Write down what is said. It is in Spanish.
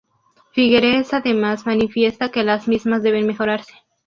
Figueres además manifiesta que las mismas deben mejorarse.